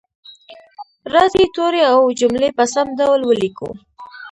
راځئ توري او جملې په سم ډول ولیکو